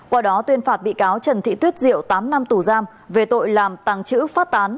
qua đó tuyên phạt bị cáo trần thị tuyết diệu tám năm tù giam về tội làm tàng trữ phát tán